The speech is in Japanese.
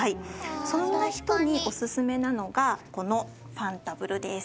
そんな人にオススメなのがこのファンタブルです。